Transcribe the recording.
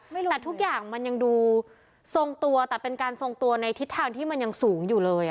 แต่ทุกอย่างมันยังดูทรงตัวแต่เป็นการทรงตัวในทิศทางที่มันยังสูงอยู่เลย